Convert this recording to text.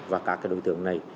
và các đối tượng này